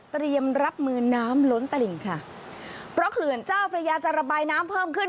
เตรียมรับมือน้ำล้นตลิ่งค่ะเพราะเขื่อนเจ้าพระยาจะระบายน้ำเพิ่มขึ้น